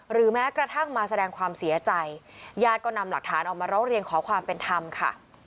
แม้กระทั่งมาแสดงความเสียใจญาติก็นำหลักฐานออกมาร้องเรียนขอความเป็นธรรมค่ะ